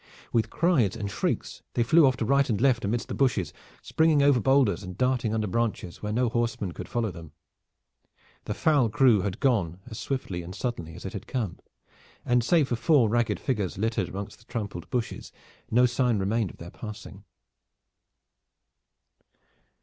With cries and shrieks they flew off to right and left amidst the bushes, springing over boulders and darting under branches where no horseman could follow them. The foul crew had gone as swiftly and suddenly as it had come, and save for four ragged figures littered amongst the trampled bushes, no sign remaining of their passing.